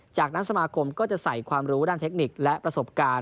จากนั้นสมาคมก็จะใส่ความรู้ด้านเทคนิคและประสบการณ์